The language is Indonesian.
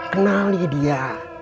kenal ya dia